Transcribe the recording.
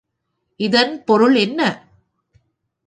இதன் பொருள் என்ன?